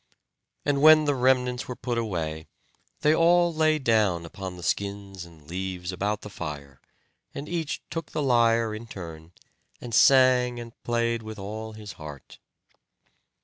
And when the remnants were put away, they all lay down upon the skins and leaves about the fire, and each took the lyre in turn, and sang and played with all his heart.